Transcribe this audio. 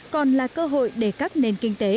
còn là cơ hội để các nền kinh tế